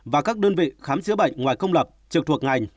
và các đơn vị khám chữa bệnh ngoài công lập trực thuộc ngành